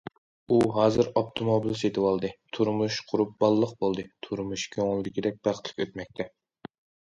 ئۇ ھازىر ئاپتوموبىل سېتىۋالدى، تۇرمۇش قۇرۇپ بالىلىق بولدى، تۇرمۇشى كۆڭۈلدىكىدەك بەختلىك ئۆتمەكتە.